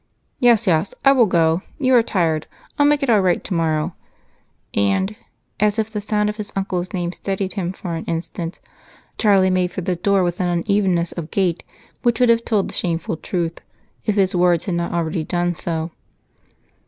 "Yes, yes, I will go you are tired I'll make it all right tomorrow." And as if the sound of his uncle's name steadied him for an instant, Charlie made for the door with an unevenness of gait which would have told the shameful truth if his words had not already done so.